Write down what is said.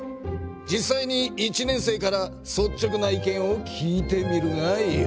実さいに１年生からそっちょくな意見を聞いてみるがよい。